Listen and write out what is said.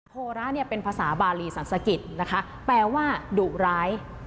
โพลาเป็นภาษาบาลีสังสกิรแปลว่าดุร้าย